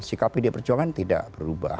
sikap pdip berjuangan tidak berubah